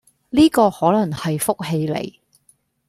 呢個可能係福氣嚟